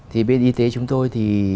thì bên y tế chúng tôi